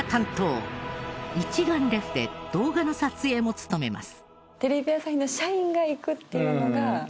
一眼レフで動画の撮影も務めます。